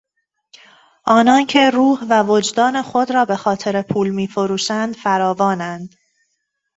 آنان که روح و وجدان خود را به خاطر پول میفروشند، فراوانند.